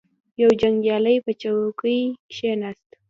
یو جنګیالی په چوکۍ کښیناست.